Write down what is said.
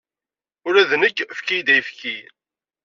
Ula d nekk, efk-iyi-d ayefki.